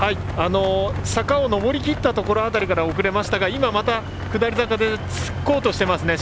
坂を上りきったところ辺りから遅れましたが今、また下り坂でつこうとしています。